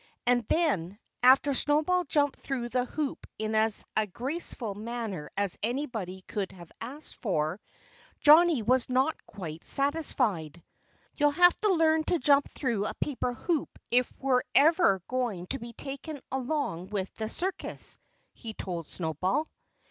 And then, after Snowball jumped through the hoop in as graceful a manner as anybody could have asked for, Johnnie was not quite satisfied. "You'll have to learn to jump through a paper hoop if we're ever going to be taken along with the circus," he told Snowball.